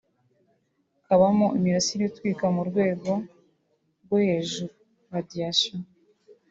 Kabamo imirasire itwika ku rwego rwo hejuru (radiations)